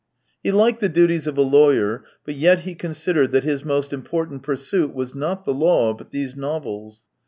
He liked the duties of a lawyer, but yet he considered that his most important pursuit was not the law but these novels.